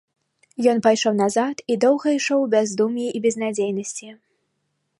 Ён пайшоў назад, і доўга ішоў у бяздум'і і безнадзейнасці.